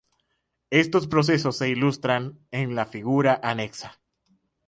Estos procesos se ilustran en la figura anexa.